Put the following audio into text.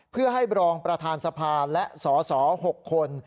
เพื่อให้รองประธานสภาและสส๖คน